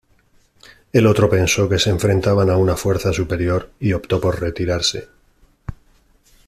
El otro pensó que se enfrentaban a una fuerza superior y optó por retirarse.